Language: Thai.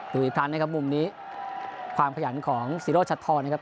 ตื่นพลันนะครับมุมนี้ความขยันของสิโรชัทธรนะครับ